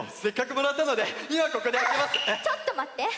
ちょっとまって。